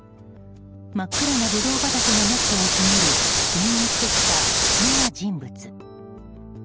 真っ暗なブドウ畑のネットをくぐり侵入してきた不審な人物。